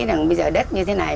bây giờ đất như thế này